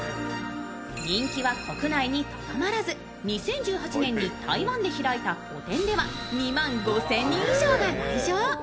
人気は国内にとどまらず、２０１８年に台湾で開いた個展では２万５０００人以上が来場。